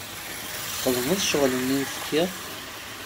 Txedmeḍ ccɣel-nni i am-fkiɣ?